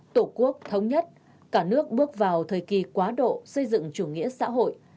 tổ quốc thống nhất cả nước bước vào thời kỳ quá độ xây dựng chủ nghĩa xã hội